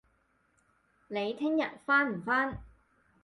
你聽日返唔返